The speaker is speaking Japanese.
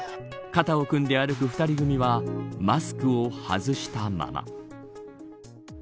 肩を組んで歩く２人組はマスクを外したまま。